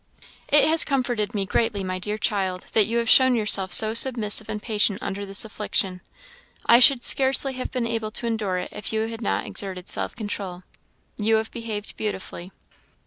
"It has comforted me greatly, my dear child, that you have shown yourself so submissive and patient under this affliction. I should scarcely have been able to endure it if you had not exerted self control. You have behaved beautifully."